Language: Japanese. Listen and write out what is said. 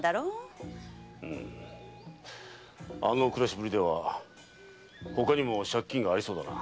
うむあの暮らしぶりでは他にも借金がありそうだな。